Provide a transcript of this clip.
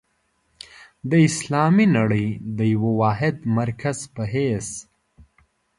د اسلامي نړۍ د یوه واحد مرکز په حیث.